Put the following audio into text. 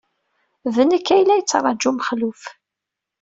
D nekk ay la yettṛaju Mexluf.